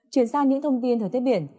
chuyển sang những thông tin thời tiết biển